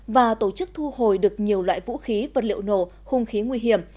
và tổ chức thu hồi được nhiều loại vũ khí vật liệu nổ khung khí nguy hiểm